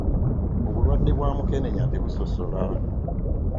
Obulwadde bwa mukenenya tebusosola.